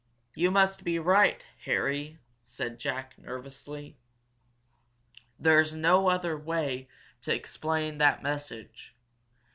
"You must be right, Harry!" said Jack, nervously. "There's no other way to explain that message.